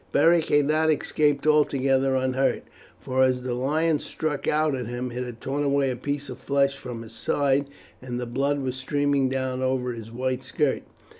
Beric had not escaped altogether unhurt, for as the lion struck out at him it had torn away a piece of flesh from his side, and the blood was streaming down over his white skirt.